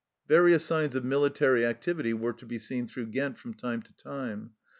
Various signs of military activity were to be seen through Ghent from time to time.